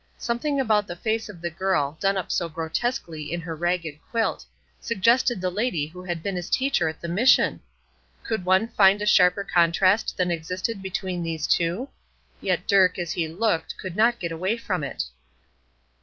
Something about the face of the girl, done up so grotesquely in her ragged quilt, suggested the lady who had been his teacher at the Mission! Could one find a sharper contrast than existed between these two? Yet Dirk, as he looked, could not get away from it.